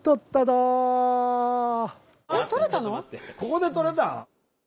ここでとれたん？